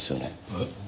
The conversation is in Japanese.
えっ？